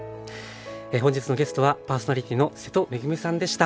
本日のゲストはパーソナリティーの瀬戸恵深さんでした。